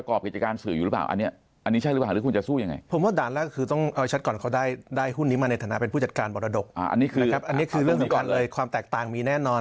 คือเรื่องสำคัญเลยความแตกต่างมีแน่นอน